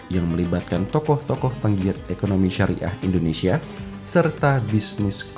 yang melibatkan tokoh tokoh penggiat ekonomi syariah indonesia serta bisnis umkm